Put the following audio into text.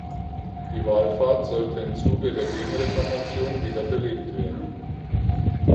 Die Wallfahrt sollte im Zuge der Gegenreformation wieder belebt werden.